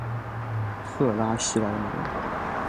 特拉西莱蒙。